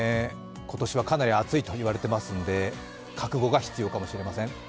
今年はかなり暑いといわれてますんで覚悟が必要かもしれません。